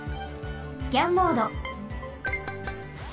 スキャンモード。